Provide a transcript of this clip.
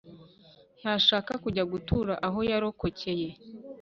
ntashaka kujya gutura aho yarokokeye